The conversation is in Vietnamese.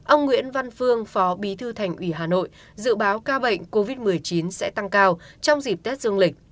ông nguyễn văn phương phó bí thư thành ủy hà nội dự báo ca bệnh covid một mươi chín sẽ tăng cao trong dịp tết dương lịch